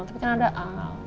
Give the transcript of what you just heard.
tapi kan ada al